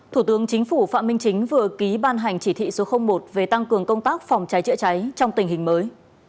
thủ tướng chính phủ phạm minh chính vừa ký ban hành chỉ thị số một về tăng cường công tác phòng cháy chữa cháy trong tình hình mới